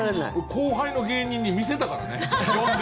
後輩の芸人に見せたからね、呼んで。